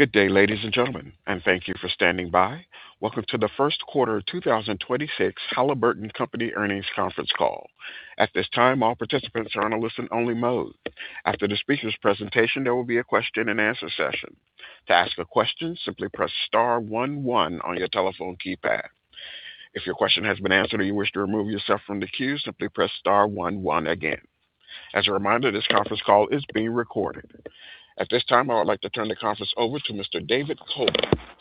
Good day, ladies and gentlemen, and thank you for standing by. Welcome to the first quarter 2026 Halliburton Company earnings conference call. At this time, all participants are on a listen-only mode. After the speakers' presentation, there will be a question-and-answer session. To ask a question, simply press star one one on your telephone keypad. If your question has been answered or you wish to remove yourself from the queue, simply press star one one again. As a reminder, this conference call is being recorded. At this time, I would like to turn the conference over to Mr. David Coleman,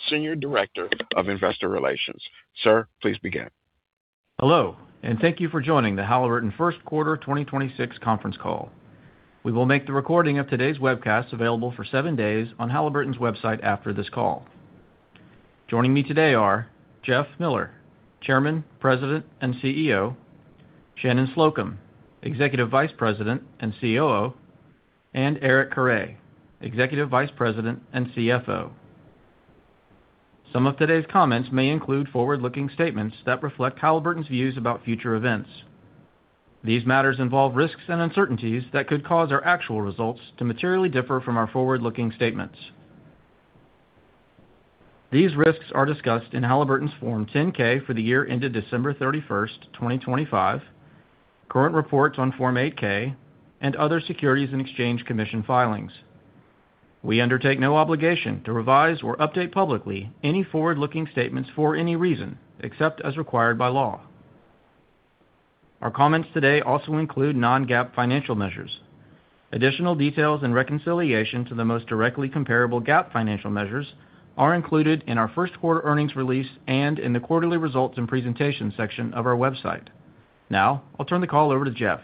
Senior Director of Investor Relations. Sir, please begin. Hello, and thank you for joining the Halliburton first quarter 2026 conference call. We will make the recording of today's webcast available for seven days on Halliburton's website after this call. Joining me today are Jeff Miller, Chairman, President, and CEO, Shannon Slocum, Executive Vice President and COO, and Eric Carre, Executive Vice President and CFO. Some of today's comments may include forward-looking statements that reflect Halliburton's views about future events. These matters involve risks and uncertainties that could cause our actual results to materially differ from our forward-looking statements. These risks are discussed in Halliburton's Form 10-K for the year ended December 31st, 2025, current reports on Form 8-K, and other Securities and Exchange Commission filings. We undertake no obligation to revise or update publicly any forward-looking statements for any reason, except as required by law. Our comments today also include non-GAAP financial measures. Additional details and reconciliation to the most directly comparable GAAP financial measures are included in our first quarter earnings release and in the quarterly results and presentation section of our website. Now, I'll turn the call over to Jeff.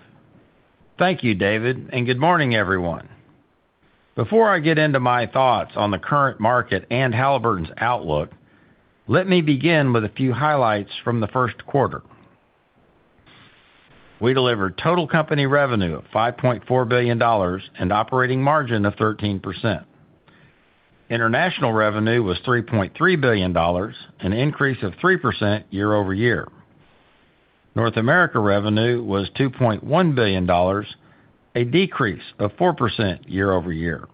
Thank you, David, and good morning, everyone. Before I get into my thoughts on the current market and Halliburton's outlook, let me begin with a few highlights from the first quarter. We delivered total company revenue of $5.4 billion and operating margin of 13%. International revenue was $3.3 billion, an increase of 3% year-over-year. North America revenue was $2.1 billion, a decrease of 4% year-over-year.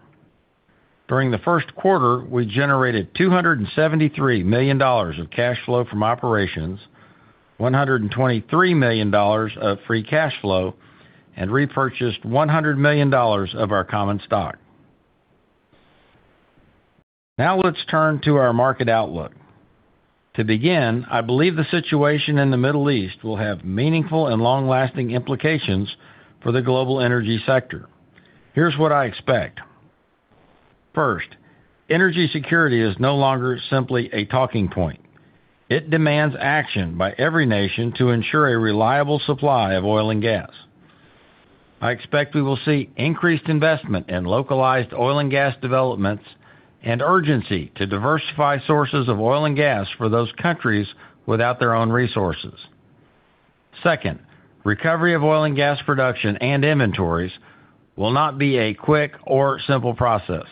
During the first quarter, we generated $273 million of cash flow from operations, $123 million of free cash flow, and repurchased $100 million of our common stock. Now let's turn to our market outlook. To begin, I believe the situation in the Middle East will have meaningful and long-lasting implications for the global energy sector. Here's what I expect. First, energy security is no longer simply a talking point. It demands action by every nation to ensure a reliable supply of oil and gas. I expect we will see increased investment in localized oil and gas developments and urgency to diversify sources of oil and gas for those countries without their own resources. Second, recovery of oil and gas production and inventories will not be a quick or simple process.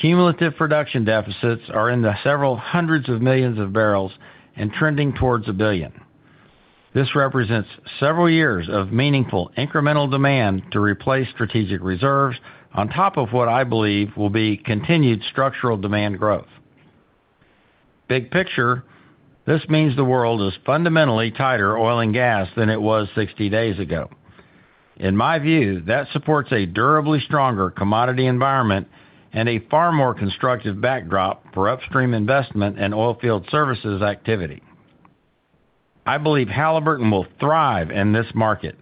Cumulative production deficits are in the several hundreds of millions of barrels and trending towards a billion. This represents several years of meaningful incremental demand to replace strategic reserves on top of what I believe will be continued structural demand growth. Big picture, this means the world is fundamentally tighter oil and gas than it was 60 days ago. In my view, that supports a durably stronger commodity environment and a far more constructive backdrop for upstream investment and oilfield services activity. I believe Halliburton will thrive in this market.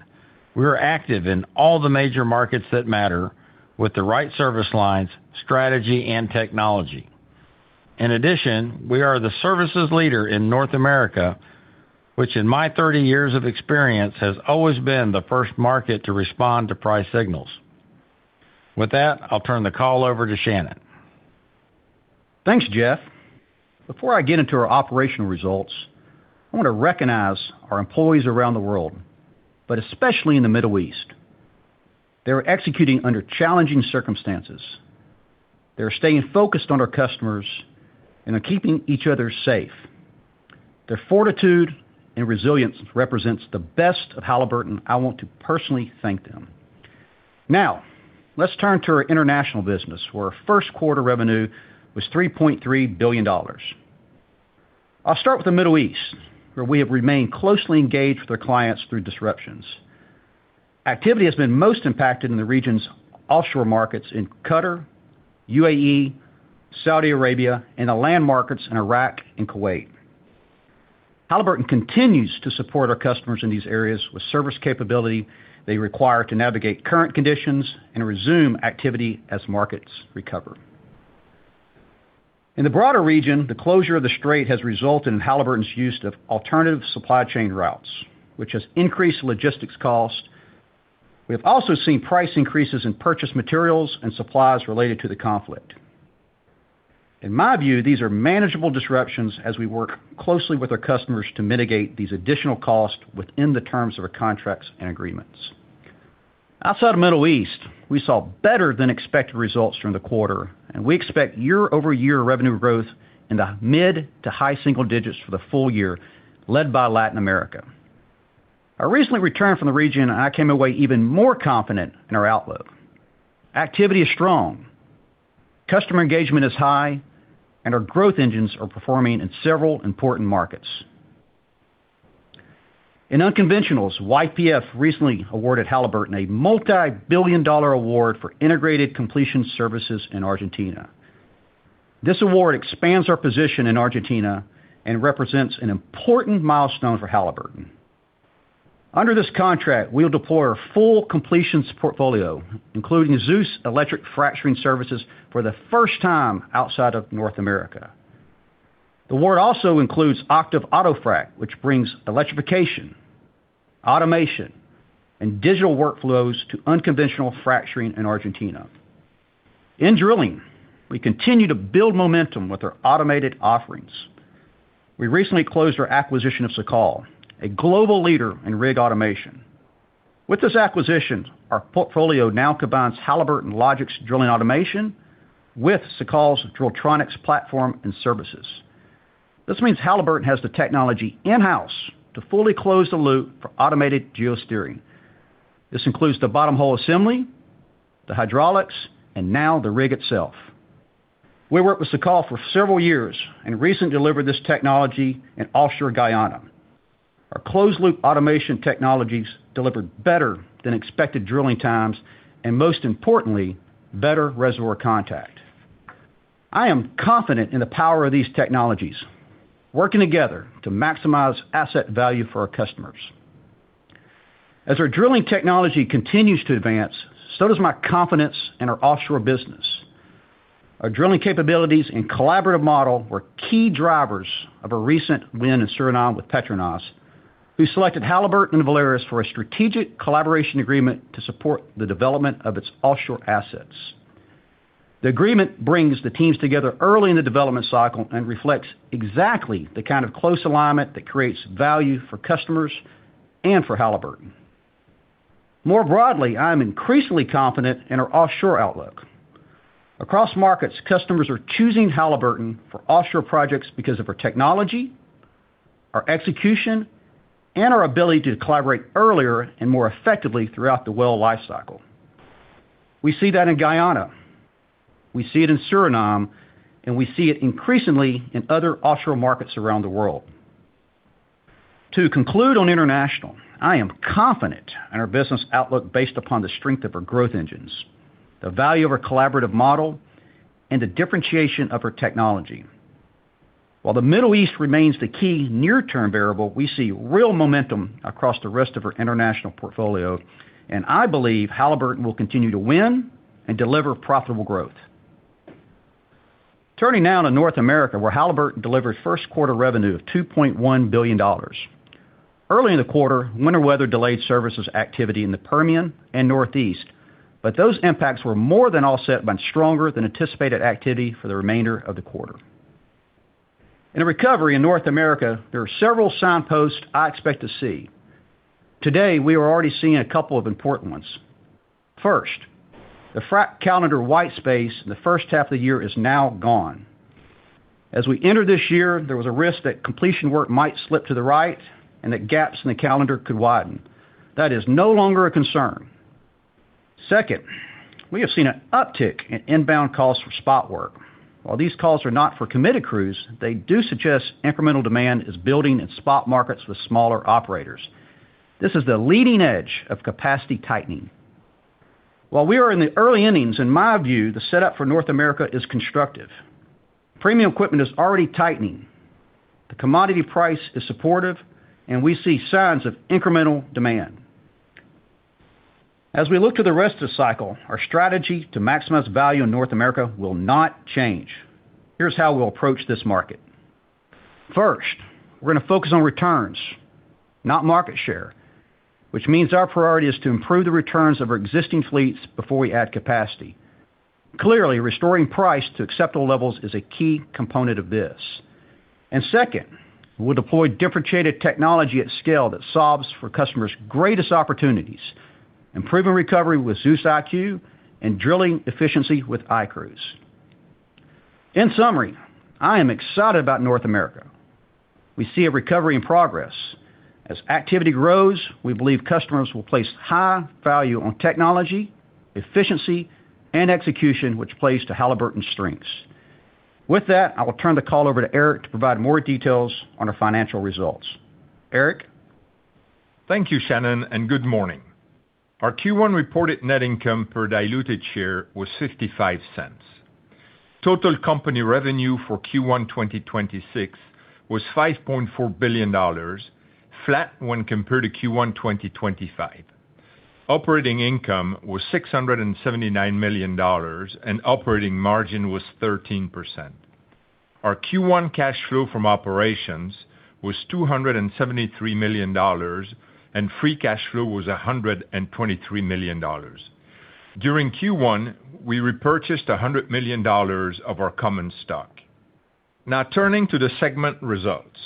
We are active in all the major markets that matter with the right service lines, strategy, and technology. In addition, we are the services leader in North America, which in my 30 years of experience, has always been the first market to respond to price signals. With that, I'll turn the call over to Shannon. Thanks, Jeff. Before I get into our operational results, I want to recognize our employees around the world, but especially in the Middle East. They are executing under challenging circumstances. They are staying focused on our customers and are keeping each other safe. Their fortitude and resilience represents the best of Halliburton. I want to personally thank them. Now, let's turn to our international business, where our first quarter revenue was $3.3 billion. I'll start with the Middle East, where we have remained closely engaged with our clients through disruptions. Activity has been most impacted in the region's offshore markets in Qatar, UAE, Saudi Arabia, and the land markets in Iraq and Kuwait. Halliburton continues to support our customers in these areas with service capability they require to navigate current conditions and resume activity as markets recover. In the broader region, the closure of the Strait has resulted in Halliburton's use of alternative supply chain routes, which has increased logistics cost. We have also seen price increases in purchased materials and supplies related to the conflict. In my view, these are manageable disruptions as we work closely with our customers to mitigate these additional costs within the terms of our contracts and agreements. Outside of Middle East, we saw better-than-expected results during the quarter, and we expect year-over-year revenue growth in the mid- to high-single-digits for the full year, led by Latin America. I recently returned from the region, and I came away even more confident in our outlook. Activity is strong, customer engagement is high, and our growth engines are performing in several important markets. In unconventionals, YPF recently awarded Halliburton a multi-billion-dollar award for integrated completion services in Argentina. This award expands our position in Argentina and represents an important milestone for Halliburton. Under this contract, we'll deploy our full completions portfolio, including ZEUS electric fracturing services for the first time outside of North America. The award also includes OCTIV Auto Frac, which brings electrification, automation, and digital workflows to unconventional fracturing in Argentina. In drilling, we continue to build momentum with our automated offerings. We recently closed our acquisition of Sekal, a global leader in rig automation. With this acquisition, our portfolio now combines Halliburton LOGIX's drilling automation with Sekal's DrillTronics platform and services. This means Halliburton has the technology in-house to fully close the loop for automated geosteering. This includes the bottom hole assembly, the hydraulics, and now the rig itself. We worked with Sekal for several years and recently delivered this technology in offshore Guyana. Our closed-loop automation technologies delivered better than expected drilling times, and most importantly, better reservoir contact. I am confident in the power of these technologies working together to maximize asset value for our customers. As our drilling technology continues to advance, so does my confidence in our offshore business. Our drilling capabilities and collaborative model were key drivers of a recent win in Suriname with PETRONAS, who selected Halliburton and Valaris for a strategic collaboration agreement to support the development of its offshore assets. The agreement brings the teams together early in the development cycle and reflects exactly the kind of close alignment that creates value for customers and for Halliburton. More broadly, I am increasingly confident in our offshore outlook. Across markets, customers are choosing Halliburton for offshore projects because of our technology, our execution, and our ability to collaborate earlier and more effectively throughout the well lifecycle. We see that in Guyana, we see it in Suriname, and we see it increasingly in other offshore markets around the world. To conclude on international, I am confident in our business outlook based upon the strength of our growth engines, the value of our collaborative model, and the differentiation of our technology. While the Middle East remains the key near term variable, we see real momentum across the rest of our international portfolio, and I believe Halliburton will continue to win and deliver profitable growth. Turning now to North America, where Halliburton delivered first quarter revenue of $2.1 billion. Early in the quarter, winter weather delayed services activity in the Permian and Northeast, but those impacts were more than offset by stronger-than-anticipated activity for the remainder of the quarter. In a recovery in North America, there are several signposts I expect to see. Today, we are already seeing a couple of important ones. First, the frac calendar white space in the first half of the year is now gone. As we entered this year, there was a risk that completion work might slip to the right and that gaps in the calendar could widen. That is no longer a concern. Second, we have seen an uptick in inbound calls for spot work. While these calls are not for committed crews, they do suggest incremental demand is building in spot markets with smaller operators. This is the leading edge of capacity tightening. While we are in the early innings, in my view, the setup for North America is constructive. Premium equipment is already tightening. The commodity price is supportive and we see signs of incremental demand. As we look to the rest of the cycle, our strategy to maximize value in North America will not change. Here's how we'll approach this market. First, we're going to focus on returns, not market share, which means our priority is to improve the returns of our existing fleets before we add capacity. Clearly, restoring price to acceptable levels is a key component of this. Second, we'll deploy differentiated technology at scale that solves for customers' greatest opportunities, improving recovery with ZEUS IQ and drilling efficiency with iCruise. In summary, I am excited about North America. We see a recovery in progress. As activity grows, we believe customers will place high value on technology, efficiency, and execution, which plays to Halliburton's strengths. With that, I will turn the call over to Eric to provide more details on our financial results. Eric? Thank you, Shannon, and good morning. Our Q1 reported net income per diluted share was $0.55. Total company revenue for Q1 2026 was $5.4 billion, flat when compared to Q1 2025. Operating income was $679 million and operating margin was 13%. Our Q1 cash flow from operations was $273 million, and free cash flow was $123 million. During Q1, we repurchased $100 million of our common stock. Now turning to the segment results.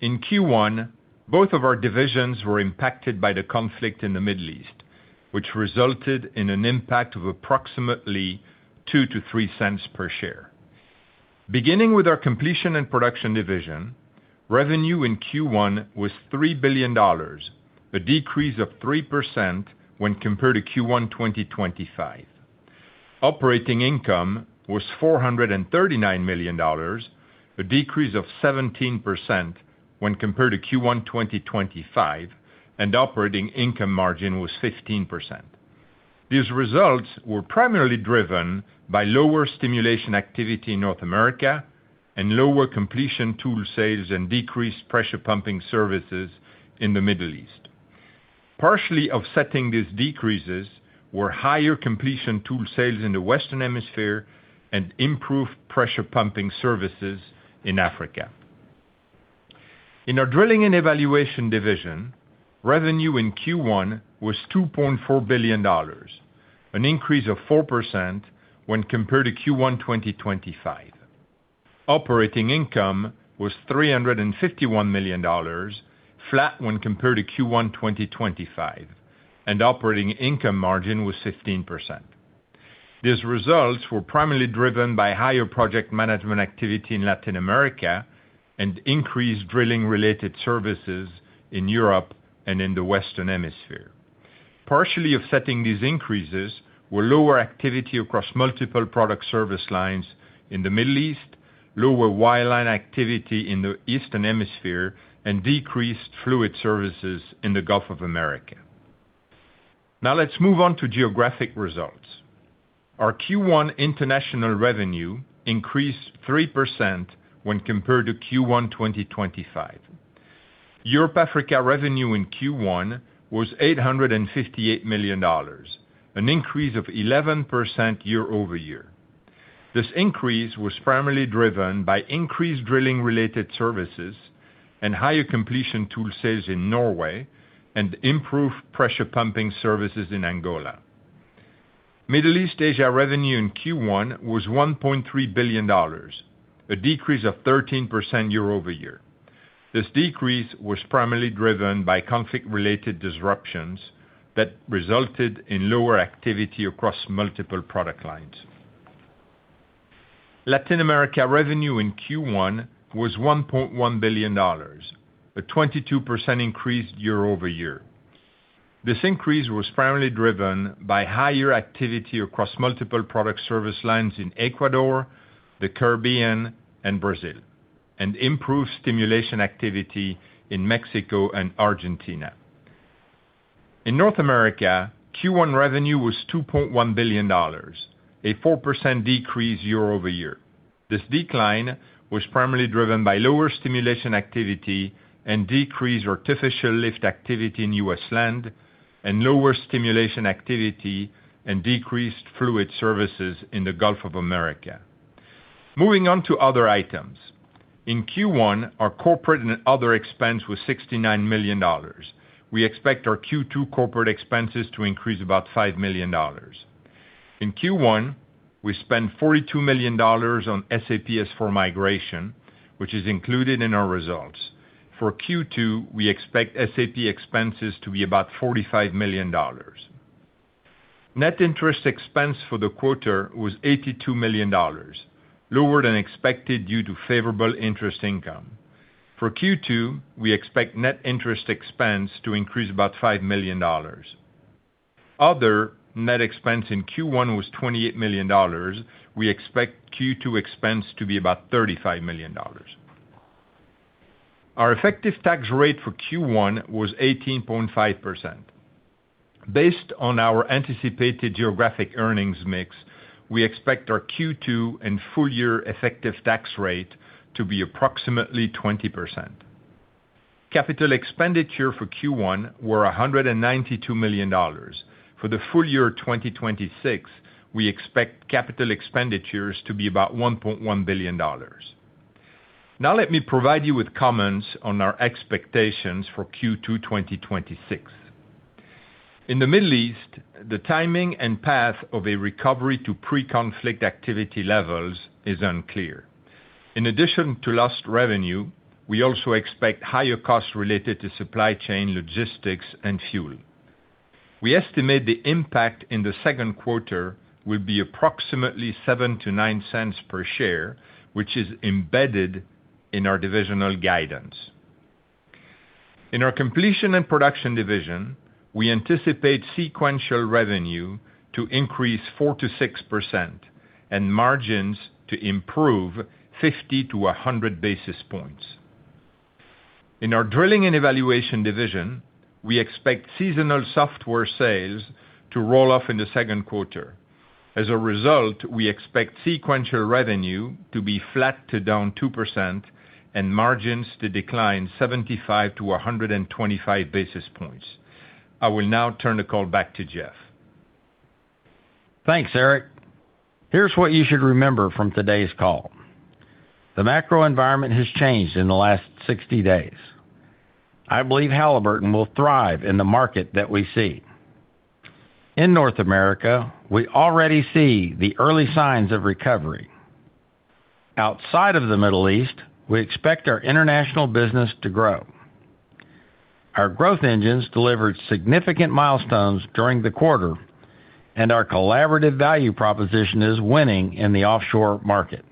In Q1, both of our divisions were impacted by the conflict in the Middle East, which resulted in an impact of approximately $0.02-$0.03 per share. Beginning with our Completion and Production division, revenue in Q1 was $3 billion, a decrease of 3% when compared to Q1 2025. Operating income was $439 million, a decrease of 17% when compared to Q1 2025, and operating income margin was 15%. These results were primarily driven by lower stimulation activity in North America and lower completion tool sales and decreased pressure pumping services in the Middle East. Partially offsetting these decreases were higher completion tool sales in the Western Hemisphere and improved pressure pumping services in Africa. In our Drilling and Evaluation Division, revenue in Q1 was $2.4 billion, an increase of 4% when compared to Q1 2025. Operating income was $351 million, flat when compared to Q1 2025, and operating income margin was 15%. These results were primarily driven by higher project management activity in Latin America and increased drilling-related services in Europe and in the Western Hemisphere. Partially offsetting these increases were lower activity across multiple product service lines in the Middle East, lower wireline activity in the Eastern Hemisphere, and decreased fluid services in the Gulf of Mexico. Now let's move on to geographic results. Our Q1 international revenue increased 3% when compared to Q1 2025. Europe/Africa revenue in Q1 was $858 million, an increase of 11% year-over-year. This increase was primarily driven by increased drilling-related services and higher completion tool sales in Norway and improved pressure pumping services in Angola. Middle East/Asia revenue in Q1 was $1.3 billion, a decrease of 13% year-over-year. This decrease was primarily driven by conflict-related disruptions that resulted in lower activity across multiple product lines. Latin America revenue in Q1 was $1.1 billion, a 22% increase year-over-year. This increase was primarily driven by higher activity across multiple product service lines in Ecuador, the Caribbean and Brazil, and improved stimulation activity in Mexico and Argentina. In North America, Q1 revenue was $2.1 billion, a 4% decrease year-over-year. This decline was primarily driven by lower stimulation activity and decreased artificial lift activity in U.S. land, and lower stimulation activity and decreased fluid services in the Gulf of Mexico. Moving on to other items. In Q1, our Corporate and Other expense was $69 million. We expect our Q2 corporate expenses to increase about $5 million. In Q1, we spent $42 million on SAP S/4 migration, which is included in our results. For Q2, we expect SAP expenses to be about $45 million. Net interest expense for the quarter was $82 million, lower than expected due to favorable interest income. For Q2, we expect net interest expense to increase about $5 million. Other net expense in Q1 was $28 million. We expect Q2 expense to be about $35 million. Our effective tax rate for Q1 was 18.5%. Based on our anticipated geographic earnings mix, we expect our Q2 and full year effective tax rate to be approximately 20%. CapEx for Q1 were $192 million. For the full year 2026, we expect CapEx to be about $1.1 billion. Now let me provide you with comments on our expectations for Q2 2026. In the Middle East, the timing and path of a recovery to pre-conflict activity levels is unclear. In addition to lost revenue, we also expect higher costs related to supply chain logistics and fuel. We estimate the impact in the second quarter will be approximately $0.07-$0.09 per share, which is embedded in our divisional guidance. In our Completion and Production division, we anticipate sequential revenue to increase 4%-6% and margins to improve 50 basis points to 100 basis points. In our Drilling and Evaluation division, we expect seasonal software sales to roll off in the second quarter. As a result, we expect sequential revenue to be flat to down 2% and margins to decline 75 basis points-125 basis points. I will now turn the call back to Jeff. Thanks, Eric. Here's what you should remember from today's call. The macro environment has changed in the last 60 days. I believe Halliburton will thrive in the market that we see. In North America, we already see the early signs of recovery. Outside of the Middle East, we expect our international business to grow. Our growth engines delivered significant milestones during the quarter, and our collaborative value proposition is winning in the offshore market.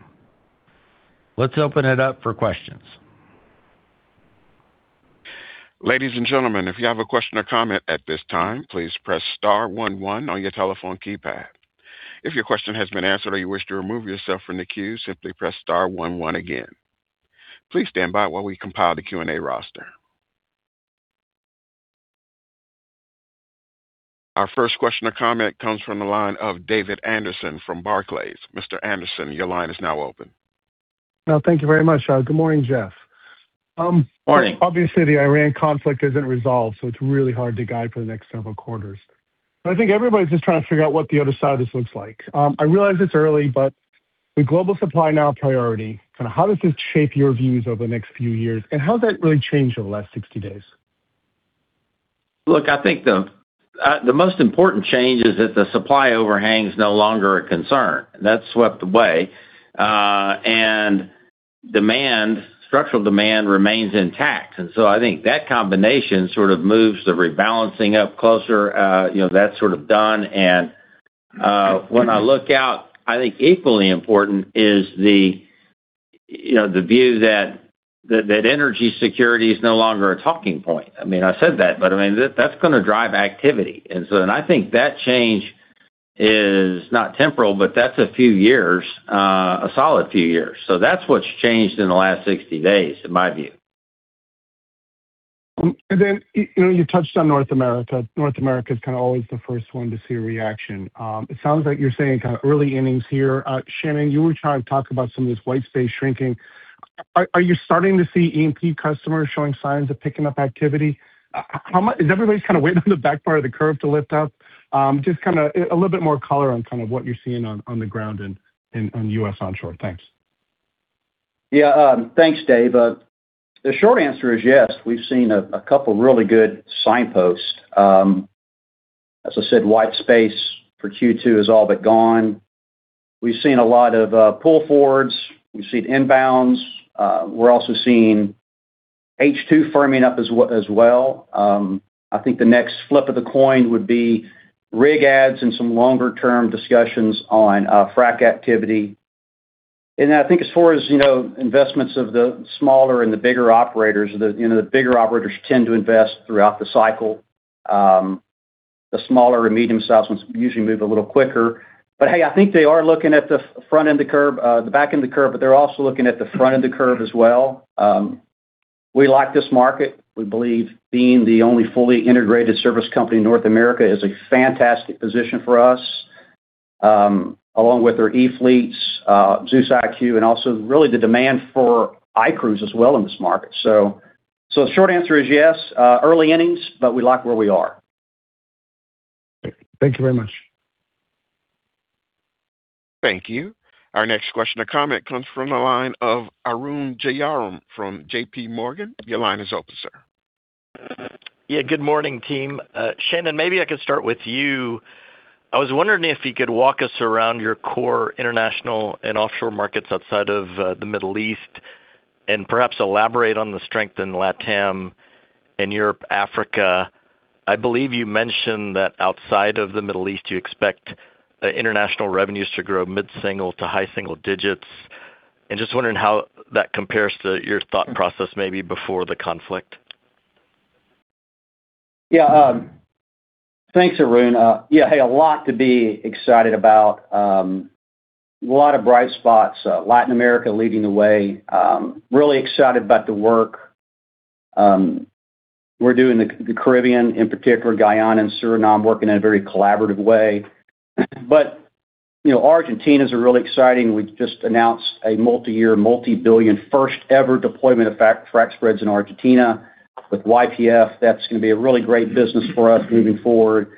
Let's open it up for questions. Ladies and gentlemen if you have a question or comment at this time, please press star one one on your telephone keypad. If your question has been answered and you wish to remove yourself from the queue, simply press star one one again. Please standby while we compile the Q&A roster. Our first question or comment comes from the line of David Anderson from Barclays. Mr. Anderson, your line is now open. Now, thank you very much. Good morning, Jeff. Morning. Obviously, the Iran conflict isn't resolved, so it's really hard to guide for the next several quarters. I think everybody's just trying to figure out what the other side of this looks like. I realize it's early, but with global supply now a priority, how does this shape your views over the next few years, and how has that really changed over the last 60 days? Look, I think the most important change is that the supply overhang is no longer a concern. That's swept away. Structural demand remains intact. I think that combination sort of moves the rebalancing up closer. That's sort of done. When I look out, I think equally important is the view that energy security is no longer a talking point. I said that, but that's going to drive activity. I think that change is not temporal, but that's a few years, a solid few years. That's what's changed in the last 60 days, in my view. You touched on North America. North America is kind of always the first one to see a reaction. It sounds like you're saying kind of early innings here. Shannon, you were trying to talk about some of this white space shrinking. Are you starting to see E&P customers showing signs of picking up activity? Is everybody just kind of waiting on the back part of the curve to lift up? Just a little bit more color on what you're seeing on the ground in U.S. onshore. Thanks. Yeah. Thanks, Dave. The short answer is yes. We've seen a couple really good signposts. As I said, white space for Q2 is all but gone. We've seen a lot of pull-forwards. We've seen inbounds. We're also seeing H2 firming up as well. I think the next flip of the coin would be rig adds and some longer-term discussions on frac activity. Then I think as far as investments of the smaller and the bigger operators, the bigger operators tend to invest throughout the cycle. The smaller and medium-sized ones usually move a little quicker. Hey, I think they are looking at the front end of curve, the back end of curve, but they're also looking at the front of the curve as well. We like this market. We believe being the only fully integrated service company in North America is a fantastic position for us, along with our e-fleets, ZEUS IQ, and also really the demand for iCruise as well in this market. The short answer is yes, early innings, but we like where we are. Thank you very much. Thank you. Our next question or comment comes from the line of Arun Jayaram from JPMorgan. Your line is open, sir. Yeah, good morning, team. Shannon, maybe I could start with you. I was wondering if you could walk us through your core international and offshore markets outside of the Middle East, and perhaps elaborate on the strength in LATAM and Europe, Africa. I believe you mentioned that outside of the Middle East, you expect international revenues to grow mid-single to high single digits. I'm just wondering how that compares to your thought process, maybe before the conflict. Yeah. Thanks, Arun. Yeah, hey, a lot to be excited about. A lot of bright spots. Latin America leading the way. Really excited about the work we're doing, the Caribbean in particular, Guyana and Suriname working in a very collaborative way. Argentina's really exciting. We just announced a multi-year, multi-billion, first-ever deployment of frac spreads in Argentina with YPF. That's going to be a really great business for us moving forward;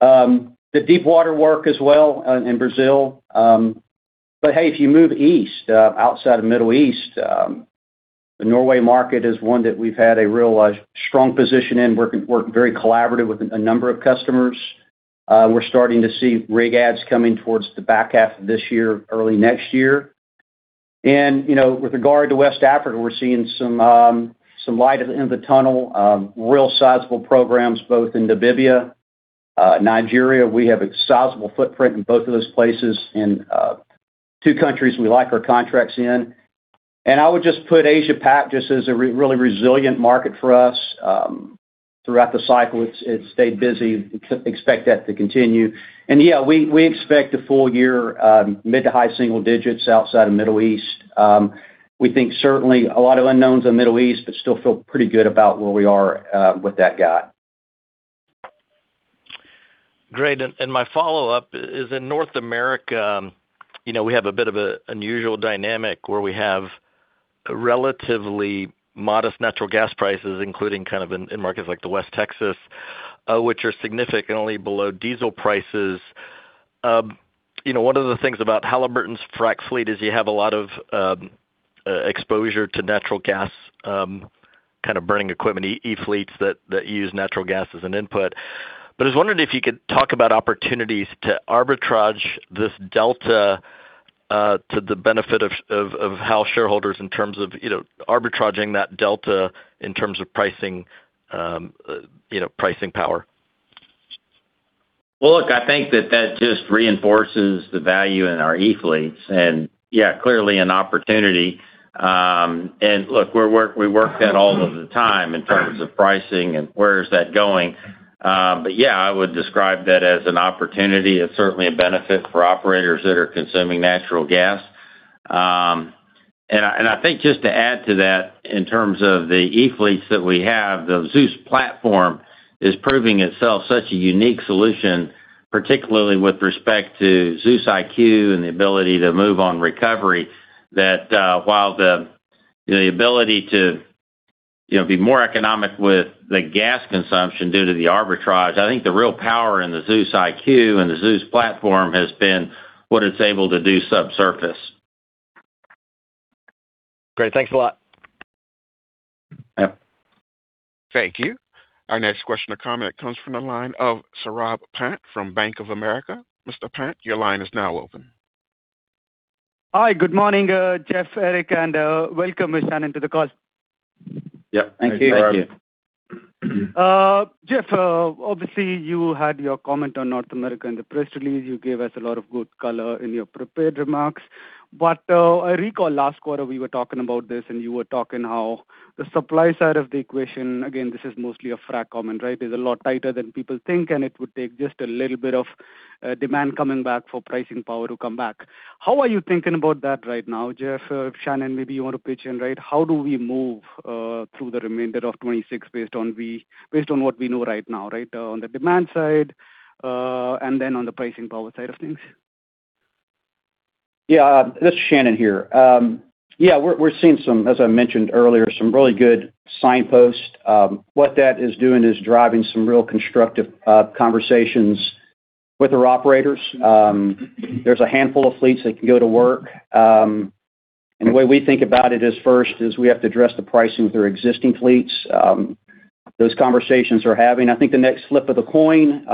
the deepwater work as well in Brazil. Hey, if you move east, outside of Middle East, the Norway market is one that we've had a real strong position in; worked very collaborative with a number of customers. We're starting to see rig adds coming towards the back half of this year, early next year. With regard to West Africa, we're seeing some light at the end of the tunnel. Real sizable programs both in Namibia, Nigeria. We have a sizable footprint in both of those places, in two countries we like our contracts in. I would just put Asia-Pac just as a really resilient market for us. Throughout the cycle, it's stayed busy. Expect that to continue. Yeah, we expect a full year, mid- to high single digits outside of Middle East. We think certainly a lot of unknowns in Middle East, but still feel pretty good about where we are with that guide. Great. My follow-up is, in North America, we have a bit of an unusual dynamic where we have relatively modest natural gas prices, including kind of in markets like the West Texas, which are significantly below diesel prices. One of the things about Halliburton's frac fleet is you have a lot of exposure to natural gas kind of burning equipment, e-fleets that use natural gas as an input. I was wondering if you could talk about opportunities to arbitrage this delta to the benefit of Halliburton shareholders, in terms of arbitraging that delta, in terms of pricing power. Well, look, I think that just reinforces the value in our e-fleets. Yeah, clearly an opportunity. Look, we work that all of the time in terms of pricing and where is that going. Yeah, I would describe that as an opportunity. It's certainly a benefit for operators that are consuming natural gas. I think just to add to that, in terms of the e-fleets that we have, the ZEUS platform is proving itself such a unique solution, particularly with respect to ZEUS IQ and the ability to move on recovery. That, while the ability to be more economic with the gas consumption due to the arbitrage, I think the real power in the ZEUS IQ and the ZEUS platform has been what it's able to do subsurface. Great. Thanks a lot. Yep. Thank you. Our next question or comment comes from the line of Saurabh Pant from Bank of America. Mr. Pant, your line is now open. Hi, good morning, Jeff, Eric, and welcome, Shannon, to the call. Yep. Thank you. Thank you. Jeff, obviously you had your comment on North America in the press release. You gave us a lot of good color in your prepared remarks. I recall last quarter we were talking about this, and you were talking how the supply side of the equation, again, this is mostly a frac comment, right? Is a lot tighter than people think, and it would take just a little bit of demand coming back for pricing power to come back. How are you thinking about that right now, Jeff? Shannon, maybe you want to pitch in, right? How do we move through the remainder of 2026 based on what we know right now, right? On the demand side, and then on the pricing power side of things. Yeah. This is Shannon here. Yeah, we're seeing some, as I mentioned earlier, some really good signposts. What that is doing is driving some real constructive conversations with our operators. There's a handful of fleets that can go to work. The way we think about it is first we have to address the pricing with our existing fleets. Those conversations are happening. I think the next flip of the coin,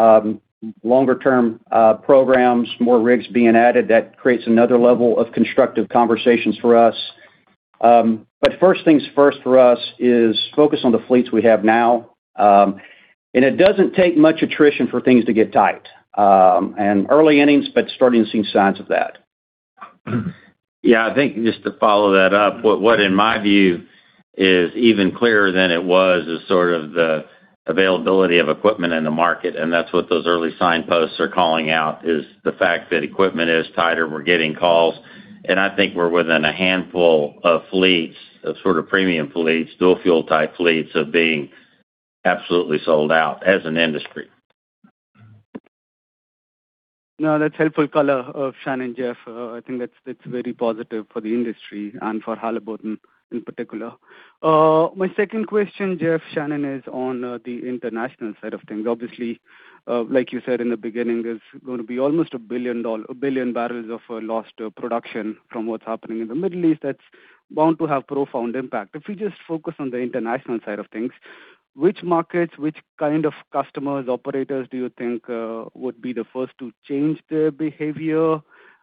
longer-term programs, more rigs being added, that creates another level of constructive conversations for us. First things first for us is focus on the fleets we have now. It doesn't take much attrition for things to get tight. It's early innings, but starting to see signs of that. Yeah, I think just to follow that up, what in my view is even clearer than it was is sort of the availability of equipment in the market, and that's what those early signposts are calling out is the fact that equipment is tighter. We're getting calls. I think we're within a handful of fleets, of sort of premium fleets, dual fuel-type fleets of being absolutely sold out as an industry. No, that's helpful color, Shannon, Jeff. I think that's very positive for the industry and for Halliburton in particular. My second question, Jeff, Shannon, is on the international side of things. Obviously, like you said in the beginning, there's going to be almost 1 billion barrels of lost production from what's happening in the Middle East. That's bound to have profound impact. If we just focus on the international side of things, which markets, which kind of customers, operators do you think would be the first to change their behavior?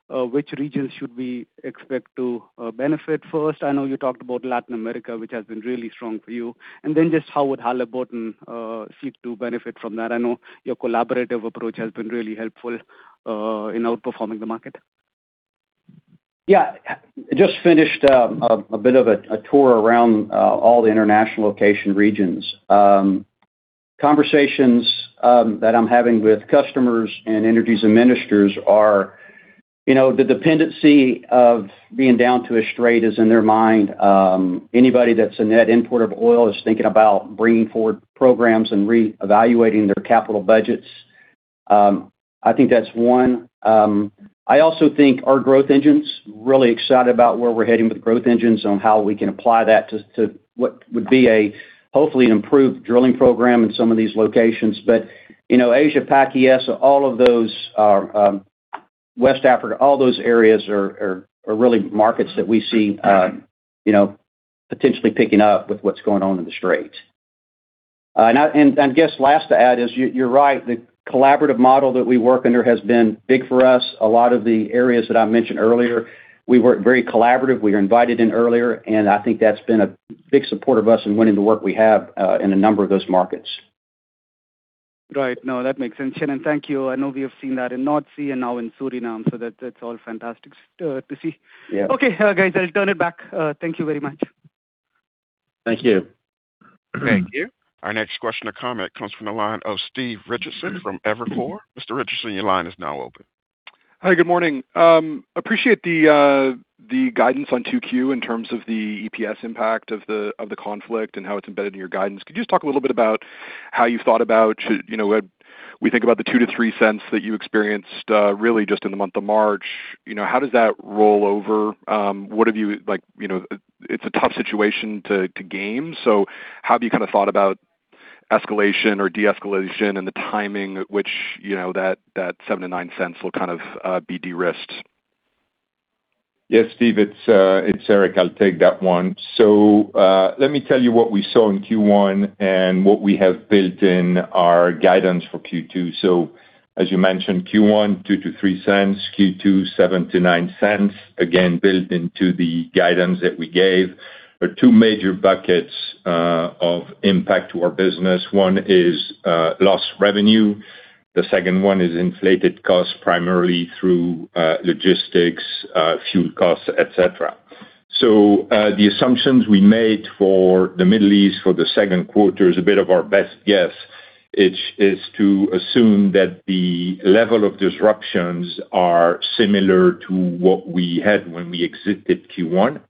Which regions should we expect to benefit first? I know you talked about Latin America, which has been really strong for you. Just how would Halliburton seek to benefit from that? I know your collaborative approach has been really helpful in outperforming the market. Yeah. Just finished a bit of a tour around all the international locations and regions. Conversations that I'm having with customers and energy ministers are that the dependency on being down to a strait is in their mind. Anybody that's a net importer of oil is thinking about bringing forward programs and re-evaluating their capital budgets. I think that's one. I also think our growth engines, really excited about where we're heading with growth engines on how we can apply that to what would be hopefully an improved drilling program in some of these locations. Asia-Pac, all of those are West Africa, all those areas are really markets that we see potentially picking up with what's going on in the Strait. I guess last to add is, you're right, the collaborative model that we work under has been big for us. A lot of the areas that I mentioned earlier, we worked very collaboratively. We were invited in earlier, and I think that's been a big support of us in winning the work we have in a number of those markets. Right. No, that makes sense, Shannon. Thank you. I know we have seen that in North Sea and now in Suriname, so that's all fantastic to see. Yeah. Okay, guys, I'll turn it back. Thank you very much. Thank you. Thank you. Our next question or comment comes from the line of Steve Richardson from Evercore. Mr. Richardson, your line is now open. Hi, good morning. I appreciate the guidance on 2Q in terms of the EPS impact of the conflict and how it's embedded in your guidance. Could you just talk a little bit about how we think about the $0.02-$0.03 that you experienced really just in the month of March. How does that roll over? It's a tough situation to game. How have you kind of thought about escalation or de-escalation and the timing at which that $0.07-$0.09 will kind of be de-risked? Yes, Steve, it's Eric. I'll take that one. Let me tell you what we saw in Q1 and what we have built in our guidance for Q2. As you mentioned, Q1, $0.02-$0.03, Q2, $0.07-$0.09, again, built into the guidance that we gave. There are two major buckets of impact to our business. One is lost revenue. The second one is inflated costs, primarily through logistics, fuel costs, et cetera. The assumptions we made for the Middle East for the second quarter is a bit of our best guess. It is to assume that the level of disruptions are similar to what we had when we exited Q1.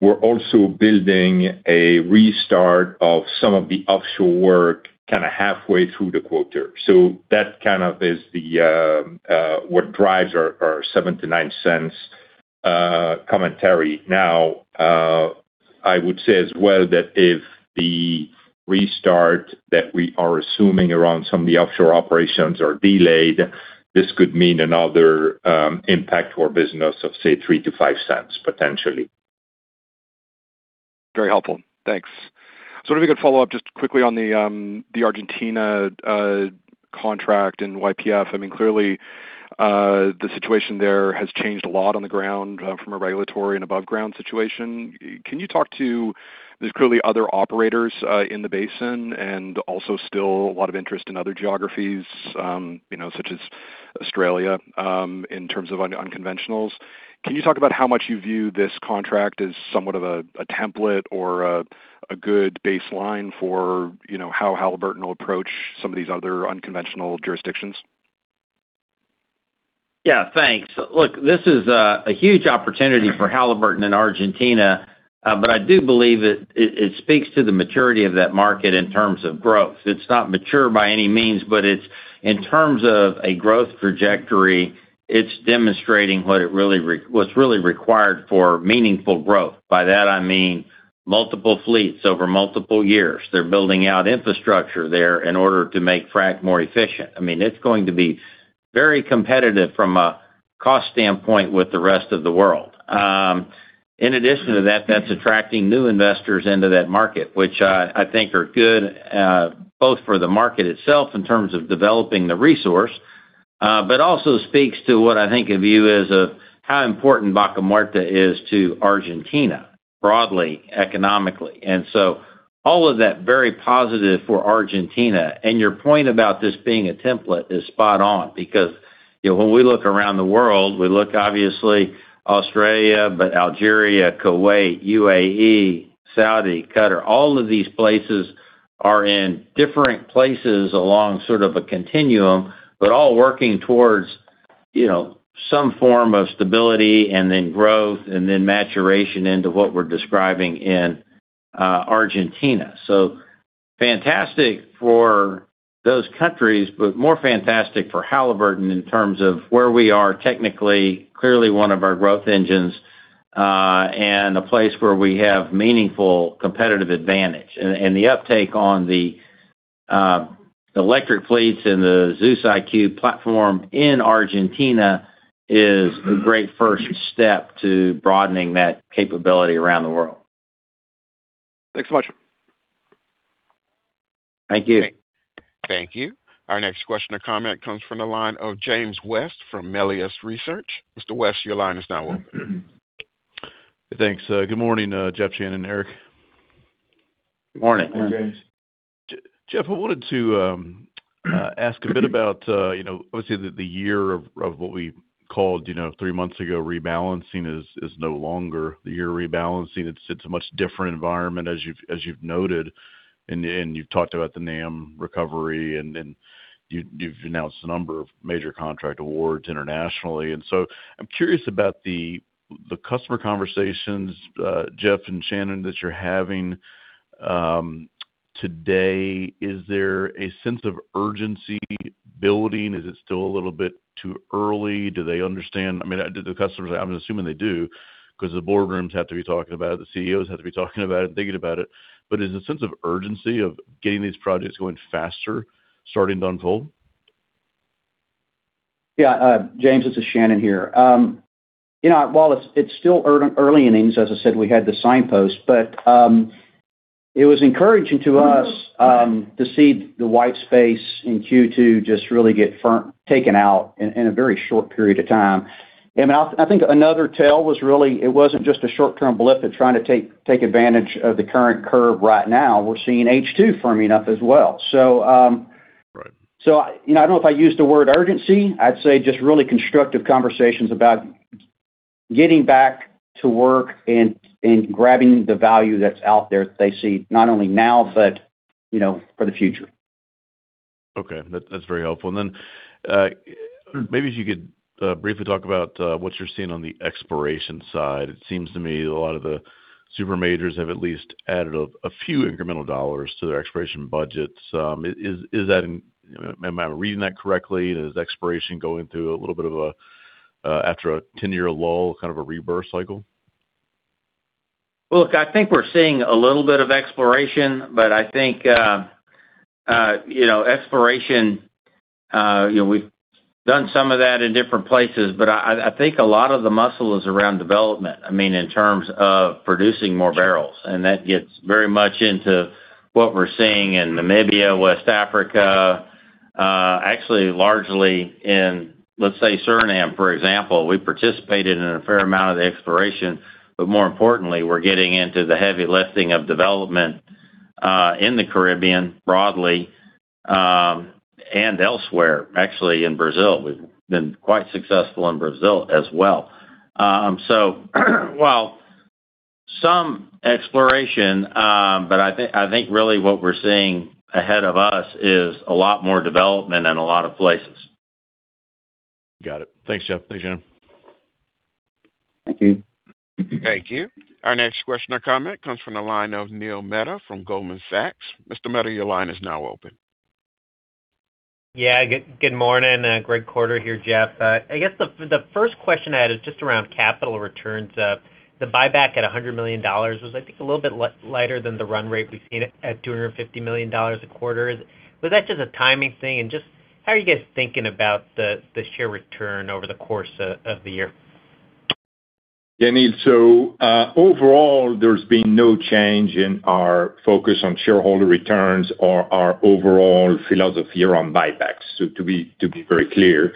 We're also building a restart of some of the offshore work kind of halfway through the quarter. That kind of is what drives our $0.07-$0.09 commentary. Now, I would say as well that if the restart that we are assuming around some of the offshore operations are delayed, this could mean another impact to our business of, say, $0.03-$0.05 potentially. Very helpful. Thanks. I wonder if I could follow up just quickly on the Argentina contract and YPF. I mean, clearly, the situation there has changed a lot on the ground from a regulatory and above ground situation. There's clearly other operators in the basin and also still a lot of interest in other geographies, such as Australia, in terms of unconventionals. Can you talk about how much you view this contract as somewhat of a template or a good baseline for how Halliburton will approach some of these other unconventional jurisdictions? Yeah. Thanks. Look, this is a huge opportunity for Halliburton in Argentina, but I do believe it speaks to the maturity of that market in terms of growth. It's not mature by any means, but it's, in terms of a growth trajectory, it's demonstrating what's really required for meaningful growth. By that, I mean multiple fleets over multiple years. They're building out infrastructure there in order to make frac more efficient. It's going to be very competitive from a cost standpoint with the rest of the world. In addition to that's attracting new investors into that market, which I think are good, both for the market itself in terms of developing the resource, but also speaks to what I think of as how important Vaca Muerta is to Argentina, broadly, economically. All of that, very positive for Argentina. Your point about this being a template is spot on, because when we look around the world, we look obviously Australia, but Algeria, Kuwait, UAE, Saudi, Qatar, all of these places are in different places along sort of a continuum. All working towards some form of stability and then growth, and then maturation into what we're describing in Argentina. Fantastic for those countries, but more fantastic for Halliburton in terms of where we are technically, clearly one of our growth engines, and a place where we have meaningful competitive advantage. The uptake on the electric fleets and the ZEUS IQ platform in Argentina is a great first step to broadening that capability around the world. Thanks so much. Thank you. Thank you. Our next question or comment comes from the line of James West from Melius Research. Mr. West, your line is now open. Thanks. Good morning, Jeff, Shannon, and Eric. Morning. Hi, James. Jeff, I wanted to ask a bit about, obviously, the year of what we called three months ago, rebalancing is no longer—the year of rebalancing, it's a much different environment as you've noted, and you've talked about the NAM recovery and you've announced a number of major contract awards internationally. I'm curious about the customer conversations, Jeff and Shannon, that you're having today. Is there a sense of urgency building? Is it still a little bit too early? Do they understand? I mean, do the customers—I'm assuming they do, because the boardrooms have to be talking about it, the CEOs have to be talking about it and thinking about it. Is the sense of urgency of getting these projects going faster starting to unfold? Yeah. James, this is Shannon here. While it's still early innings, as I said, we had the signpost. It was encouraging to us to see the white space in Q2 just really get taken out in a very short period of time. I think another tell was really, it wasn't just a short-term blip of trying to take advantage of the current curve right now. We're seeing H2 firming up as well. Right. I don't know if I'd use the word urgency. I'd say just really constructive conversations about getting back to work and grabbing the value that's out there they see not only now but for the future. Okay. That's very helpful. Maybe if you could briefly talk about what you're seeing on the exploration side. It seems to me a lot of the super majors have at least added a few incremental dollars to their exploration budgets. Am I reading that correctly? Is exploration going through a little bit of a, after a 10-year lull, kind of a rebirth cycle? Look, I think we're seeing a little bit of exploration, but I think exploration, we've done some of that in different places, but I think a lot of the muscle is around development, in terms of producing more barrels. That gets very much into what we're seeing in Namibia, West Africa, actually largely in, let's say, Suriname, for example. We participated in a fair amount of the exploration, but more importantly, we're getting into the heavy lifting of development, in the Caribbean broadly, and elsewhere, actually in Brazil. We've been quite successful in Brazil as well. While some exploration, but I think really what we're seeing ahead of us is a lot more development in a lot of places. Got it. Thanks, Jeff. Thanks, Shannon. Thank you. Thank you. Our next question or comment comes from the line of Neil Mehta from Goldman Sachs. Mr. Mehta, your line is now open. Yeah. Good morning. Great quarter here, Jeff. I guess the first question I had is just around capital returns. The buyback at $100 million was, I think, a little bit lighter than the run rate we've seen at $250 million a quarter. Was that just a timing thing? Just how are you guys thinking about the share return over the course of the year? Yeah, Neil, so, overall, there's been no change in our focus on shareholder returns or our overall philosophy around buybacks. To be very clear,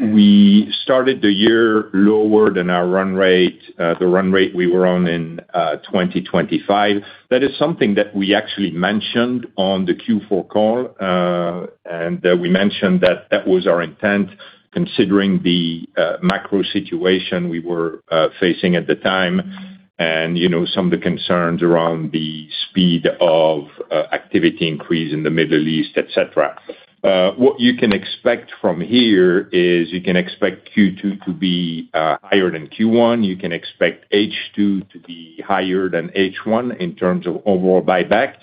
we started the year lower than our run rate, the run rate we were on in 2025. That is something that we actually mentioned on the Q4 call, and we mentioned that that was our intent considering the macro situation we were facing at the time and some of the concerns around the speed of activity increase in the Middle East, et cetera. What you can expect from here is you can expect Q2 to be higher than Q1. You can expect H2 to be higher than H1 in terms of overall buyback.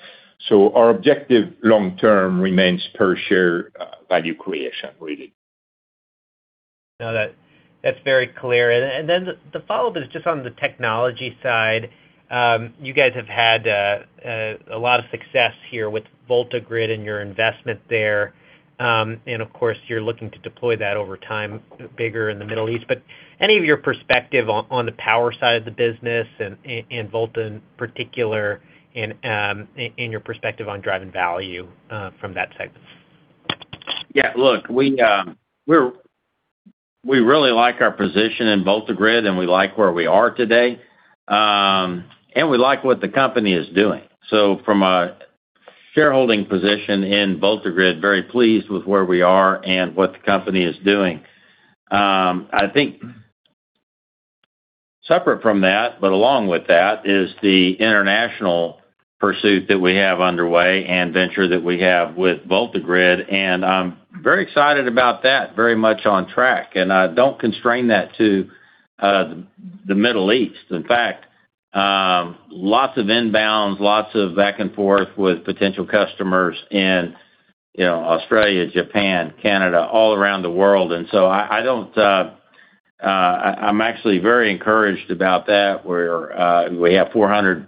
Our objective long term remains per-share value creation, really. No, that's very clear. Then the follow-up is just on the technology side. You guys have had a lot of success here with VoltaGrid and your investment there. Of course, you're looking to deploy that over time, bigger in the Middle East. Any of your perspective on the power side of the business and in VoltaGrid in particular and your perspective on driving value from that segment? Yeah, look, we really like our position in VoltaGrid and we like where we are today. We like what the company is doing. From a shareholding position in VoltaGrid, very pleased with where we are and what the company is doing. I think separate from that, but along with that is the international pursuit that we have underway and venture that we have with VoltaGrid, and I'm very excited about that. Very much on track. I don't constrain that to the Middle East. In fact, lots of inbounds, lots of back and forth with potential customers in Australia, Japan, Canada, all around the world. I'm actually very encouraged about that, where we have 400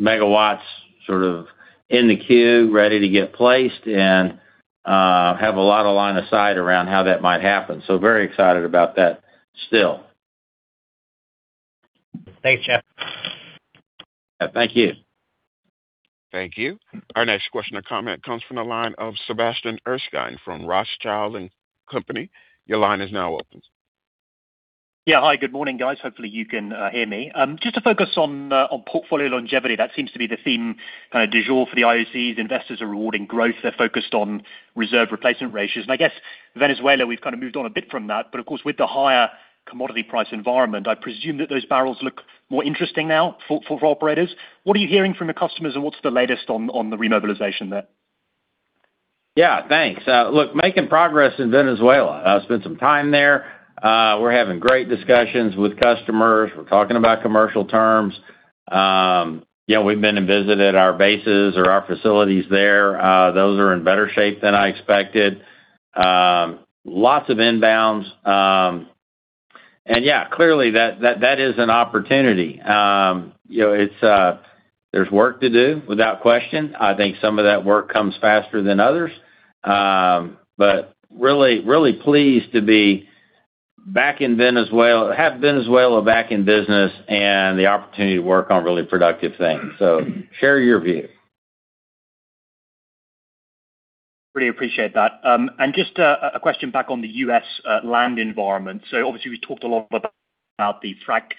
MW sort of in the queue ready to get placed and have a lot of line of sight around how that might happen. Very excited about that still. Thanks, Jeff. Yeah, thank you. Thank you. Our next question or comment comes from the line of Sebastian Erskine from Rothschild & Co. Your line is now open. Yeah. Hi, good morning, guys. Hopefully, you can hear me. Just to focus on portfolio longevity, that seems to be the theme kind of du jour for the IOCs. Investors are rewarding growth. They're focused on reserve replacement ratios. I guess Venezuela, we've kind of moved on a bit from that. Of course, with the higher commodity price environment, I presume that those barrels look more interesting now for operators. What are you hearing from your customers, and what's the latest on the remobilization there? Yeah, thanks. Look, making progress in Venezuela. I spent some time there. We're having great discussions with customers. We're talking about commercial terms. We've been and visited our bases or our facilities there. Those are in better shape than I expected. Lots of inbounds. Yeah, clearly that is an opportunity. There's work to do, without question. I think some of that work comes faster than others. Really pleased to have Venezuela back in business and the opportunity to work on really productive things, so, share your view. Really appreciate that. Just a question back on the U.S. land environment. Obviously we talked a lot about the frac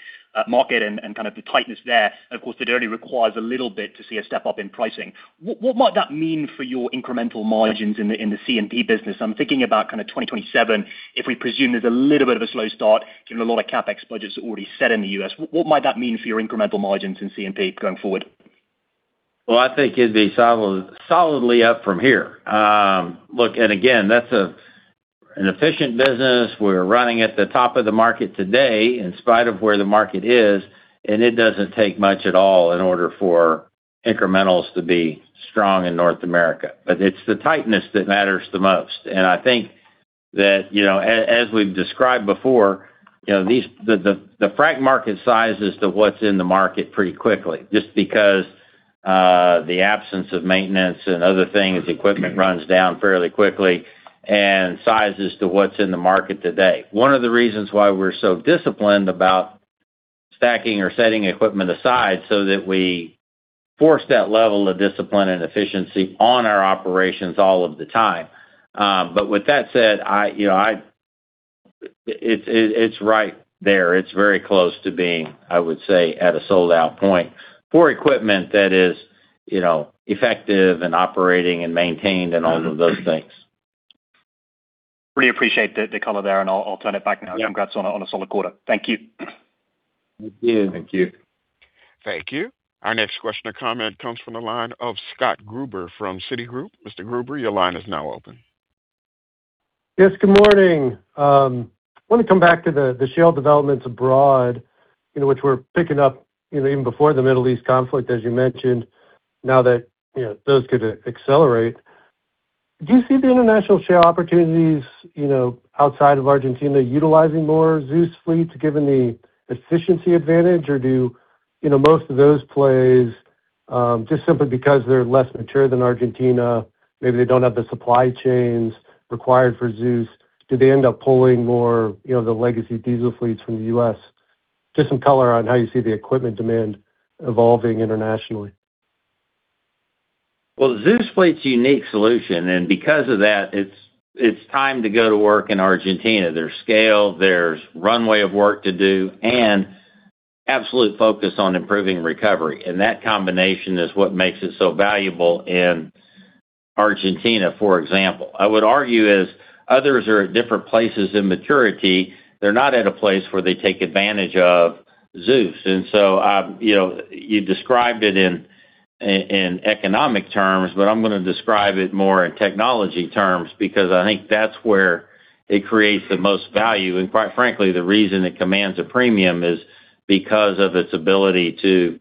market and kind of the tightness there. Of course, it only requires a little bit to see a step-up in pricing. What might that mean for your incremental margins in the C&P business? I'm thinking about kind of 2027, if we presume there's a little bit of a slow start, given a lot of CapEx budgets are already set in the U.S. What might that mean for your incremental margins in C&P going forward? Well, I think it'd be solidly up from here. Look, again, that's an efficient business. We're running at the top of the market today in spite of where the market is, and it doesn't take much at all in order for incrementals to be strong in North America. It's the tightness that matters the most. I think that, as we've described before, the frac market sizes to what's in the market pretty quickly, just because the absence of maintenance and other things, equipment runs down fairly quickly, and sizes to what's in the market today. One of the reasons why we're so disciplined about stacking or setting equipment aside so that we force that level of discipline and efficiency on our operations all of the time. With that said, it's right there. It's very close to being, I would say, at a sold-out point. For equipment that is effective and operating and maintained and all of those things. Really appreciate the color there, and I'll turn it back now. Yeah. Congrats on a solid quarter. Thank you. Thank you. Thank you. Thank you. Our next question or comment comes from the line of Scott Gruber from Citigroup. Mr. Gruber, your line is now open. Yes, good morning. I want to come back to the shale developments abroad, which were picking up even before the Middle East conflict, as you mentioned. Now that those could accelerate, do you see the international shale opportunities outside of Argentina utilizing more ZEUS fleet, given the efficiency advantage? Or do most of those plays, just simply because they're less mature than Argentina, maybe they don't have the supply chains required for ZEUS. Do they end up pulling more of the legacy diesel fleets from the U.S.? Just some color on how you see the equipment demand evolving internationally. Well, ZEUS fleet's a unique solution, and because of that, it's time to go to work in Argentina. There's scale, there's runway of work to do, and absolute focus on improving recovery. That combination is what makes it so valuable in Argentina, for example. I would argue as others are at different places in maturity, they're not at a place where they take advantage of ZEUS. You described it in economic terms, but I'm going to describe it more in technology terms, because I think that's where it creates the most value. Quite frankly, the reason it commands a premium is because of its ability to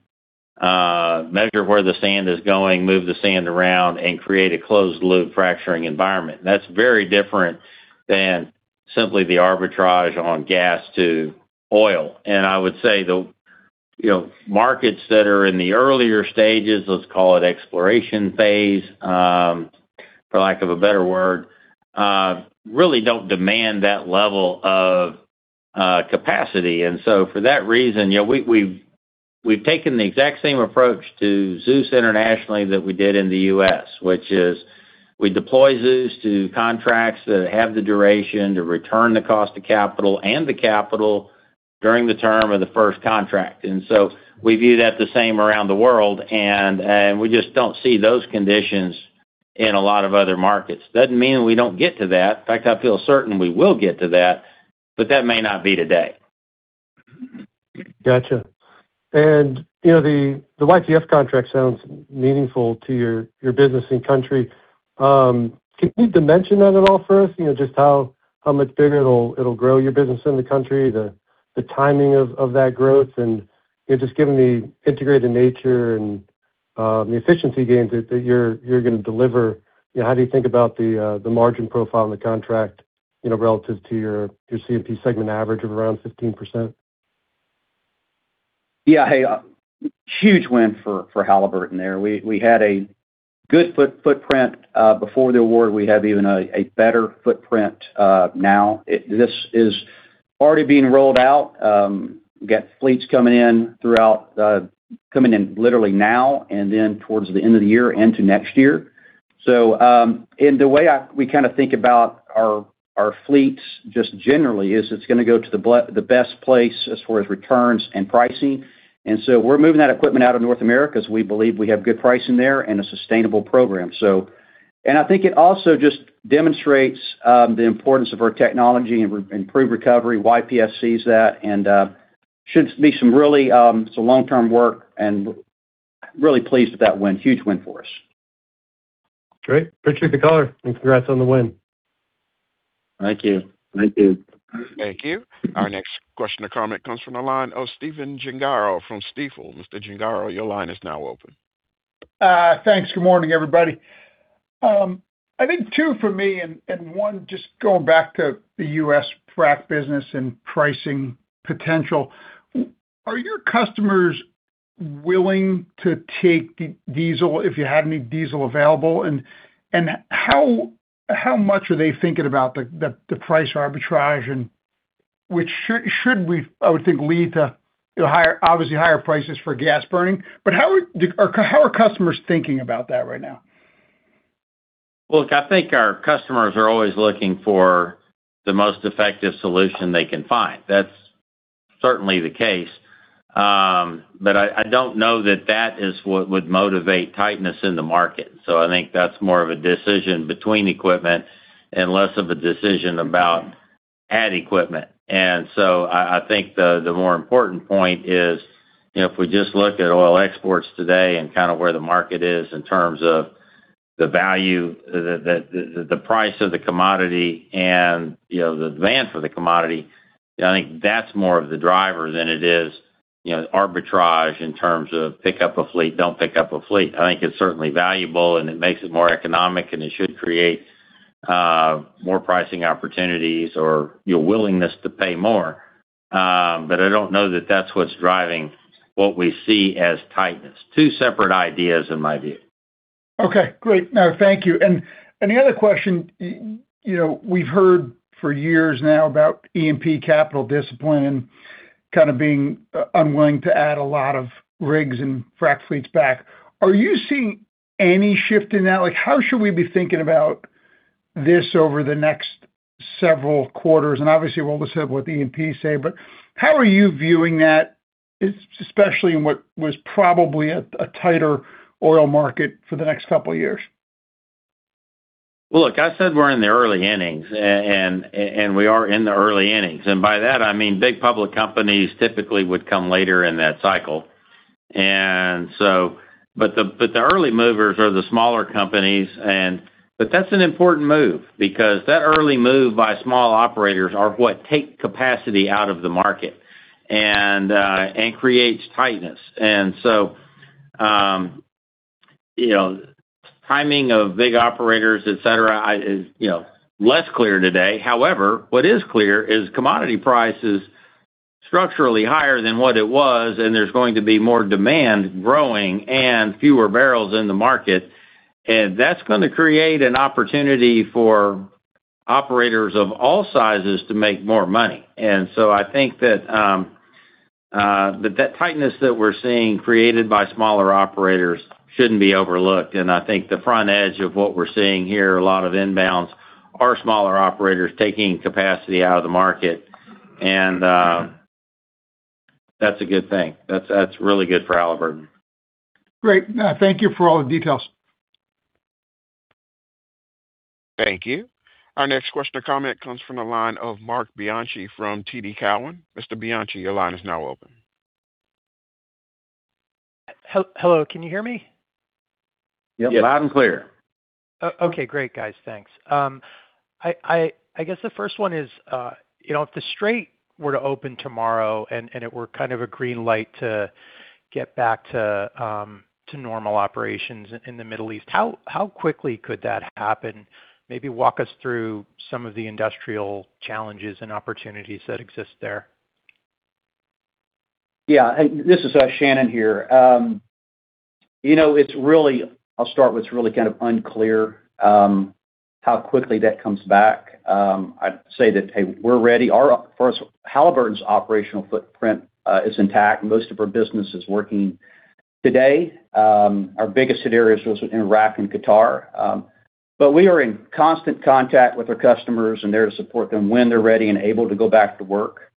measure where the sand is going, move the sand around, and create a closed-loop fracturing environment. That's very different than simply the arbitrage on gas to oil. I would say the markets that are in the earlier stages, let's call it exploration phase, for lack of a better word, really don't demand that level of capacity. For that reason, we've taken the exact same approach to ZEUS internationally that we did in the U.S., which is we deploy ZEUS to contracts that have the duration to return the cost of capital and the capital during the term of the first contract. We view that the same around the world. We just don't see those conditions in a lot of other markets. Doesn't mean we don't get to that. In fact, I feel certain we will get to that, but that may not be today. Got you. The YPF contract sounds meaningful to your business and country. Can you dimension that at all for us? Just how much bigger it'll grow your business in the country, the timing of that growth, and just given the integrated nature and the efficiency gains that you're going to deliver, how do you think about the margin profile and the contract relative to your C&P segment average of around 15%? Yeah. Hey, huge win for Halliburton there. We had a good footprint before the award. We have even a better footprint now. This is already being rolled out. We've got fleets coming in literally now and then towards the end of the year into next year. The way we kind of think about our fleets just generally is it's going to go to the best place as far as returns and pricing. We're moving that equipment out of North America as we believe we have good pricing there and a sustainable program. I think it also just demonstrates the importance of our technology and improved recovery. YPF sees that, and there should be some really long-term work, and we're really pleased with that win. Huge win for us. Great. Appreciate the color and congrats on the win. Thank you. Thank you. Our next question or comment comes from the line of Stephen Gengaro from Stifel. Mr. Gengaro, your line is now open. Thanks. Good morning, everybody. I think two from me and one just going back to the U.S. frac business and pricing potential. Are your customers willing to take diesel if you had any diesel available? And how much are they thinking about the price arbitrage and which should, I would think, lead to obviously higher prices for gas burning. How are customers thinking about that right now? Look, I think our customers are always looking for the most effective solution they can find. That's certainly the case. I don't know that that is what would motivate tightness in the market. I think that's more of a decision between equipment and less of a decision about adding equipment. I think the more important point is if we just look at oil exports today and kind of where the market is in terms of the value, the price of the commodity and the demand for the commodity, I think that's more of the driver than it is. You know, arbitrage in terms of picking up a fleet, don't pick up a fleet. I think it's certainly valuable, and it makes it more economic, and it should create more pricing opportunities for your willingness to pay more. I don't know that that's what's driving what we see as tightness. Two separate ideas in my view. Okay, great. No, thank you. The other question, we've heard for years now about E&P capital discipline kind of being unwilling to add a lot of rigs and frac fleets back. Are you seeing any shift in that? Like, how should we be thinking about this over the next several quarters? Obviously, we'll listen to what the E&Ps say, but how are you viewing that, especially in what was probably a tighter oil market for the next couple of years? Well, look, I said we're in the early innings, and we are in the early innings. By that, I mean, big public companies typically would come later in that cycle. The early movers are the smaller companies. That's an important move because that early move by small operators are what take capacity out of the market and creates tightness. Timing of big operators, et cetera, is less clear today. However, what is clear is commodity price is structurally higher than what it was, and there's going to be more demand growing and fewer barrels in the market. That's going to create an opportunity for operators of all sizes to make more money. I think that tightness that we're seeing created by smaller operators shouldn't be overlooked, and I think the front edge of what we're seeing here, a lot of inbounds are smaller operators taking capacity out of the market. That's a good thing. That's really good for Halliburton. Great. Thank you for all the details. Thank you. Our next question or comment comes from the line of Marc Bianchi from TD Cowen. Mr. Bianchi, your line is now open. Hello, can you hear me? Yep. Loud and clear. Okay, great, guys. Thanks. I guess the first one is, if the Strait were to open tomorrow, and it were kind of a green light to get back to normal operations in the Middle East, how quickly could that happen? Maybe walk us through some of the industrial challenges and opportunities that exist there. Yeah. This is Shannon here. I'll start with what's really kind of unclear, how quickly that comes back. I'd say that, hey, we're ready. Halliburton's operational footprint is intact. Most of our business is working today. Our biggest areas was in Iraq and Qatar. We are in constant contact with our customers and there to support them when they're ready and able to go back to work.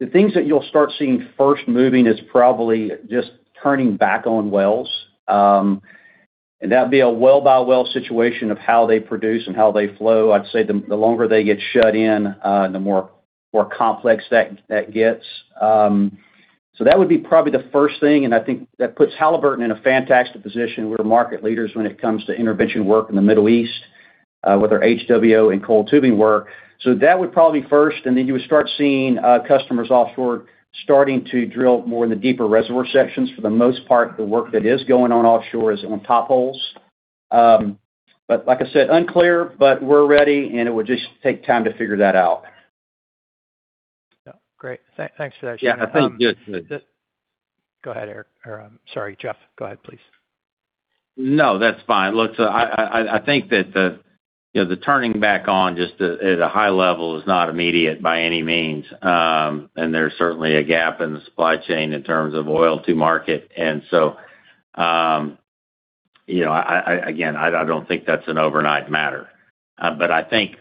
The things that you'll start seeing first moving is probably just turning back on wells. That'd be a well by well situation of how they produce and how they flow. I'd say the longer they get shut in, the more complex that gets. That would be probably the first thing, and I think that puts Halliburton in a fantastic position. We're the market leaders when it comes to intervention work in the Middle East, with our HWO and coiled tubing work. That would probably be first, and then you would start seeing customers offshore starting to drill more in the deeper reservoir sections. For the most part, the work that is going on offshore is on top holes. Like I said, unclear, but we're ready, and it would just take time to figure that out. Yeah. Great. Thanks for that, Shannon. Yeah. Go ahead, Eric. Or sorry, Jeff, go ahead, please. No, that's fine. Look, I think that the turning back on just at a high level is not immediate by any means. There's certainly a gap in the supply chain in terms of oil to market. Again, I don't think that's an overnight matter. I think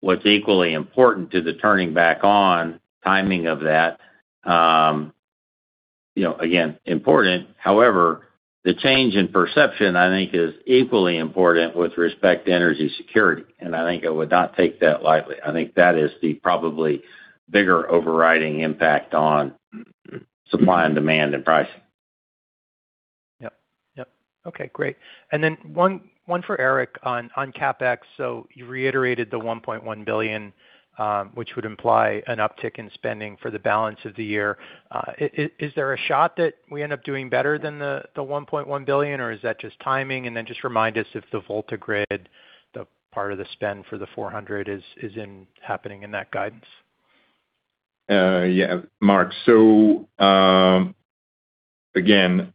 what's equally important to the turning back on timing of that, again, important. However, the change in perception, I think, is equally important with respect to energy security, and I think I would not take that lightly. I think that is the probably bigger overriding impact on supply and demand and pricing. Yep. Okay, great. One for Eric on CapEx. You reiterated the $1.1 billion, which would imply an uptick in spending for the balance of the year. Is there a shot that we end up doing better than the $1.1 billion, or is that just timing? Just remind us if the VoltaGrid, the part of the spend for the 400 MW is happening in that guidance. Yeah. Marc, so, again,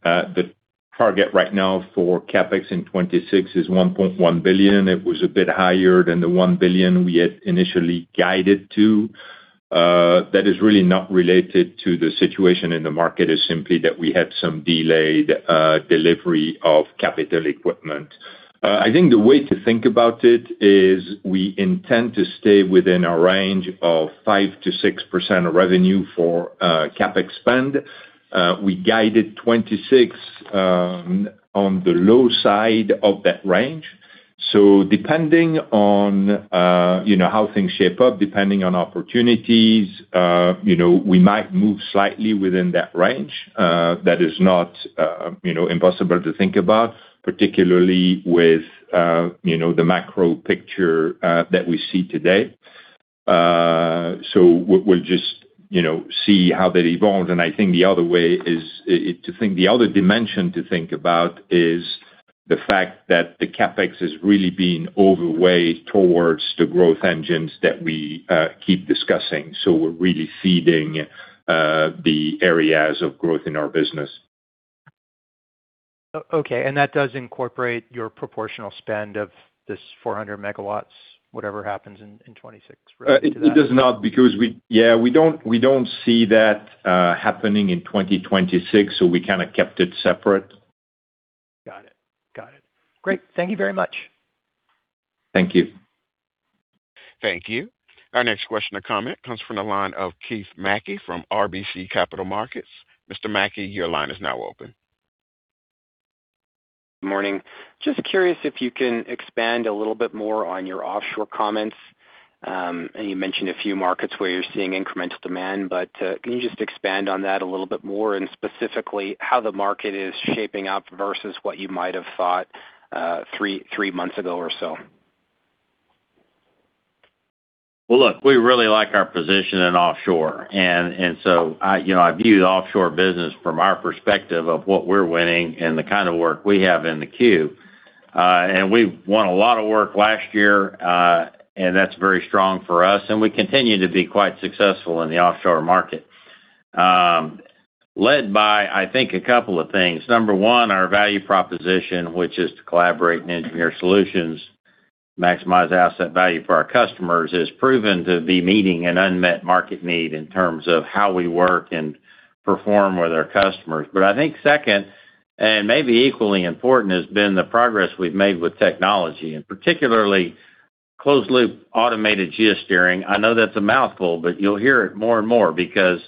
the target right now for CapEx in 2026 is $1.1 billion. It was a bit higher than the $1 billion we had initially guided to. That is really not related to the situation in the market. It's simply that we had some delayed delivery of capital equipment. I think the way to think about it is we intend to stay within a range of 5%-6% of revenue for CapEx spend. We guided 2026 on the low side of that range. Depending on how things shape up, depending on opportunities, we might move slightly within that range. That is not impossible to think about, particularly with the macro picture that we see today. We'll just see how that evolves. I think the other dimension to think about is the fact that the CapEx has really been overweight towards the growth engines that we keep discussing. We're really feeding the areas of growth in our business. Okay. That does incorporate your proportional spend of this 400 MW, whatever happens in 2026, related to that? It does not because we don't see that happening in 2026, so we kind of kept it separate. Got it. Great. Thank you very much. Thank you. Thank you. Our next question or comment comes from the line of Keith Mackey from RBC Capital Markets. Mr. Mackey, your line is now open. Morning. Just curious if you can expand a little bit more on your offshore comments. You mentioned a few markets where you're seeing incremental demand, but can you just expand on that a little bit more and specifically how the market is shaping up versus what you might have thought three months ago or so? Well, look, we really like our position in offshore, and so I view the offshore business from our perspective of what we're winning and the kind of work we have in the queue. We won a lot of work last year, that's very strong for us, and we continue to be quite successful in the offshore market. Led by, I think, a couple of things. Number one, our value proposition, which is to collaborate and engineer solutions, maximize asset value for our customers, is proven to be meeting an unmet market need in terms of how we work and perform with our customers. I think second, and maybe equally important, has been the progress we've made with technology, and particularly closed-loop automated geosteering. I know that's a mouthful, but you'll hear it more and more because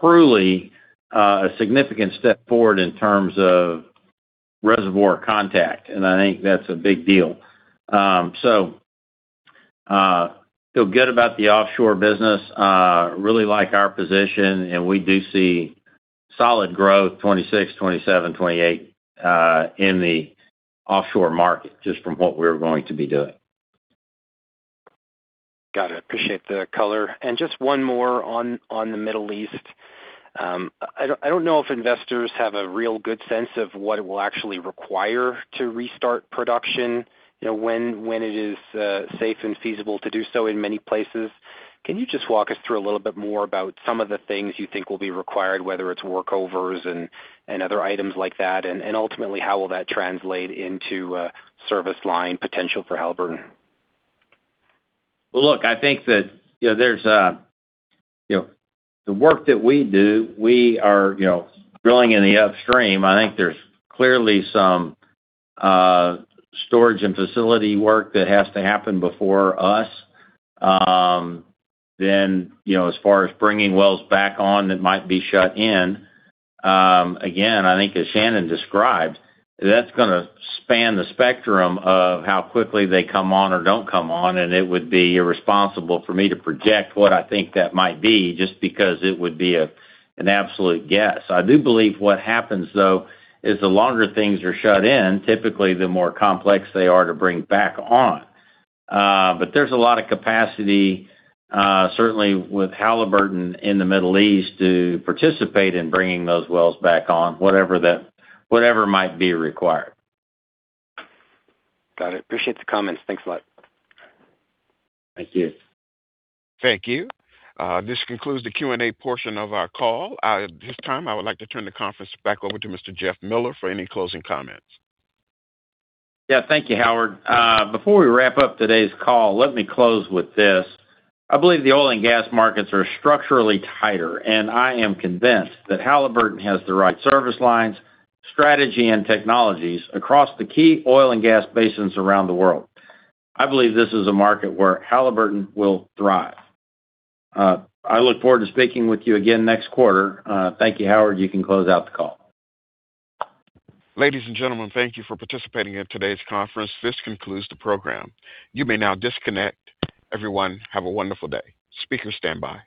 truly, a significant step forward in terms of reservoir contact, and I think that's a big deal. Feel good about the offshore business. Really like our position, and we do see solid growth 2026, 2027, 2028, in the offshore market, just from what we're going to be doing. Got it. Appreciate the color. Just one more on the Middle East. I don't know if investors have a real good sense of what it will actually require to restart production, when it is safe and feasible to do so in many places. Can you just walk us through a little bit more about some of the things you think will be required, whether it's workovers and other items like that, and ultimately, how will that translate into service line potential for Halliburton? Well, look, I think that there's a—the work that we do, we are drilling in the upstream. I think there's clearly some storage and facility work that has to happen before us. As far as bringing wells back on that might be shut in, again, I think as Shannon described, that's gonna span the spectrum of how quickly they come on or don't come on, and it would be irresponsible for me to project what I think that might be just because it would be an absolute guess. I do believe what happens, though, is the longer things are shut in, typically, the more complex they are to bring back on. There's a lot of capacity, certainly with Halliburton in the Middle East, to participate in bringing those wells back on, whatever might be required. Got it. Appreciate the comments. Thanks a lot. Thank you. Thank you. This concludes the Q&A portion of our call. At this time, I would like to turn the conference back over to Mr. Jeff Miller for any closing comments. Yeah. Thank you, Howard. Before we wrap up today's call, let me close with this. I believe the oil and gas markets are structurally tighter, and I am convinced that Halliburton has the right service lines, strategy, and technologies across the key oil and gas basins around the world. I believe this is a market where Halliburton will thrive. I look forward to speaking with you again next quarter. Thank you, Howard. You can close out the call. Ladies and gentlemen, thank you for participating in today's conference. This concludes the program. You may now disconnect. Everyone, have a wonderful day. Speakers stand by.